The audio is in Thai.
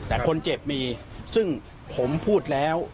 แต่คนเจ็บมีซึ่งผมพูดแล้ว